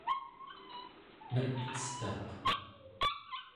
nepcetaq